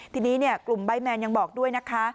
ทีนี้กลุ่มใบแมนยังบอกด้วยนะคะ